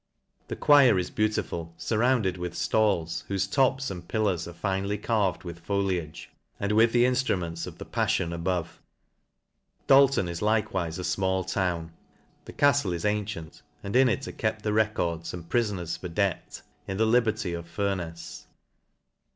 The choir is beautiful, furrounded with flails, whole tops and pillars are finely carved with foliage, and: with the instruments of the paflion above. Dalton is likewife a fmall town.. The caftle is antient, and in it are kept the records, and prifon ers for debt, in the liberty of Furnefs.